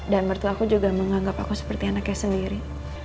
dan mertuk aku juga menganggap aku seperti anaknya sendiri